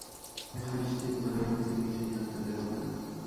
এটা নিশ্চিত, গোড়ায় অমিতকে কিছুই জানতে দেওয়া হবে না।